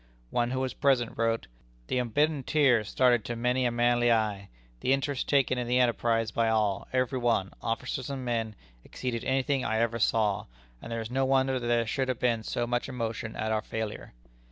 One who was present wrote: "The unbidden tear started to many a manly eye. The interest taken in the enterprise by all, every one, officers and men, exceeded any thing I ever saw, and there is no wonder that there should have been so much emotion at our failure."